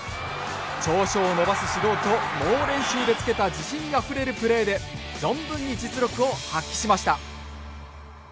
長所を伸ばす指導と猛練習でつけた自信あふれるプレーで存分に実力を発揮しました。